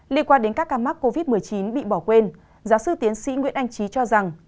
liên quan đến các ca mắc covid một mươi chín bị bỏ quên giáo sư tiến sĩ nguyễn anh trí cho rằng